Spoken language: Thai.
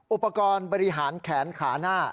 อุปกรณ์บริหารแขนขาหน้า